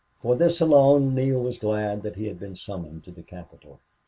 For this alone Neale was glad that he had been summoned to the capital.